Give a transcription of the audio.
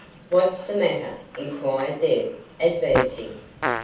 "What's the matter?" inquired Deb, advancing.